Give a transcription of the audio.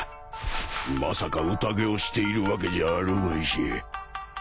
まさか宴をしているわけじゃあるまいし